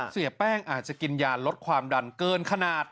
เสียแป้งอาจจะกินยาลดความดันเกินขนาด